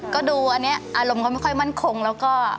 ก็ดูอันนี้อารมณ์เขาไม่ค่อยมั่นคงแล้วก็